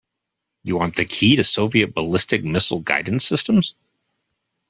You want the key to Soviet ballistic missile guidance systems?